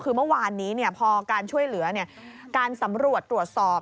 คือเมื่อวานนี้พอการช่วยเหลือการสำรวจตรวจสอบ